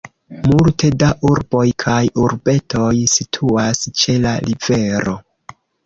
Multe da urboj kaj urbetoj situas ĉe la rivero.